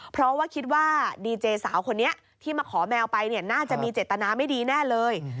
เพราะว่าคิดว่าดีเจสาวคนนี้ที่มาขอแมวไปเนี่ยน่าจะมีเจตนาไม่ดีแน่เลย